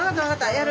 やる。